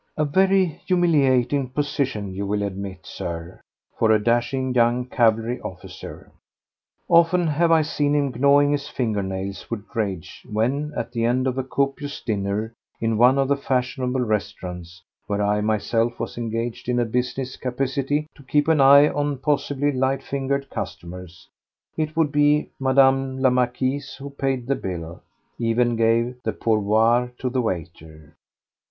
A very humiliating position, you will admit, Sir, for a dashing young cavalry officer. Often have I seen him gnawing his finger nails with rage when, at the end of a copious dinner in one of the fashionable restaurants—where I myself was engaged in a business capacity to keep an eye on possibly light fingered customers—it would be Mme. la Marquise who paid the bill, even gave the pourboire to the waiter.